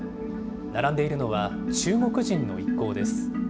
並んでいるのは、中国人の一行です。